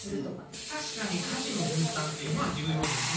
確かに家事の分担というのは重要ですね。